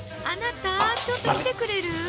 あなたちょっと来てくれる？